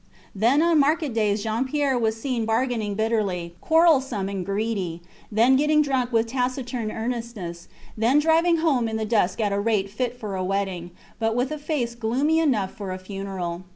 Then on market days Jean Pierre was seen bargaining bitterly, quarrelsome and greedy; then getting drunk with taciturn earnestness; then driving home in the dusk at a rate fit for a wedding, but with a face gloomy enough for a funeral.